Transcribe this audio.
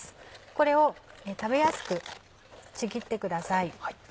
これを食べやすくちぎってください。